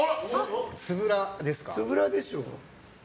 つぶらでしょう。